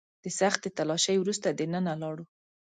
د سختې تلاشۍ وروسته دننه لاړو.